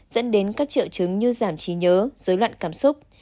dẫn đến các triệu chứng như giảm trí nhớ dối loạn cảm xúc